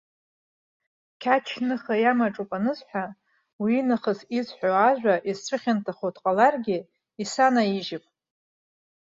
Қьач ныха иамаҿуп анысҳәа, уинахыс исҳәо ажәа, изцәыхьанҭахо дҟаларгьы, исанаижьып.